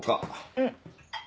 うん。